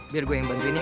biar gue yang bantuin ya